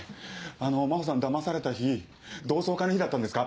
あの真帆さんだまされた日同窓会の日だったんですか？